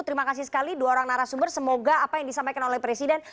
terima kasih sekali dua orang narasumber semoga apa yang disampaikan oleh presiden